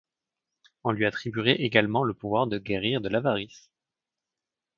On lui attribuerait également le pouvoir de guérir de l'avarice.